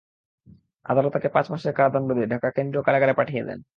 আদালত তাঁকে পাঁচ মাসের কারাদণ্ড দিয়ে ঢাকা কেন্দ্রীয় কারাগারে পাঠিয়ে দেন।